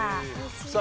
さあ